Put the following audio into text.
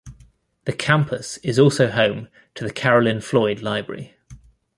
The campus is also home to the Carolyn Floyd Library.